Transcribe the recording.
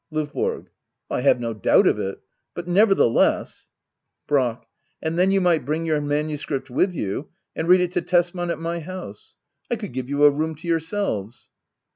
LOVBORO. I have no doubt of it. But nevertheless Brack. And then you might bring your manuscript with you, and read it to Tesman at my house. I could give you a room to yourselves.